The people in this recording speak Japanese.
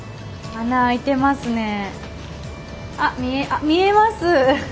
あ見えます。